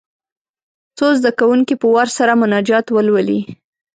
څو زده کوونکي په وار سره مناجات ولولي.